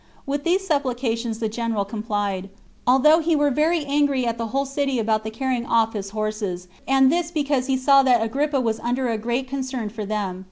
With these supplications the general complied, although he were very angry at the whole city about the carrying off his horses, and this because he saw that Agrippa was under a great concern for them.